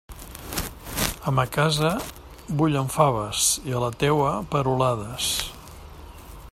A ma casa bullen faves, i a la teua, perolades.